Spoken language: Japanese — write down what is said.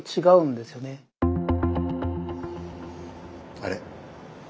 あれ。